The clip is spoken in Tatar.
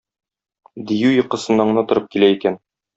Дию йокысыннан гына торып килә икән.